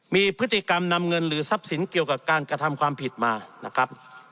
มีพฤติกรรมนำเงินหรือทรัพย์สินเกี่ยวกับการกระทำความผิดมานะครับ